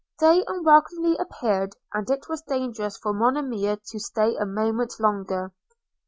Day unwelcomely appeared, and it was dangerous for Monimia to stay a moment longer.